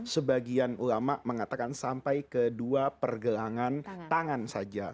sebagian ulama mengatakan sampai ke dua pergelangan tangan saja